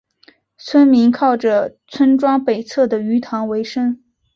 村民靠着村庄北侧的鱼塘维生。